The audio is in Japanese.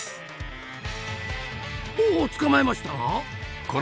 おおっ捕まえましたな！